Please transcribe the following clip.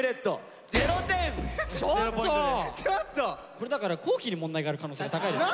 これだから皇輝に問題がある可能性が高いです。